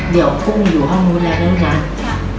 เดี๋ยวกุ้งอยู่ห้องโม้นแล้วนี่นะลูกน้า